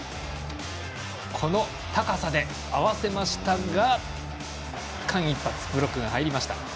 この高さで合わせましたが間一髪ブロックが入りました。